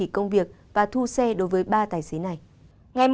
công việc và thu xe đối với ba tài xế này